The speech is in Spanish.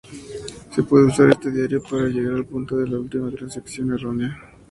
Se puede usar este diario para llegar al punto de la última transacción errónea.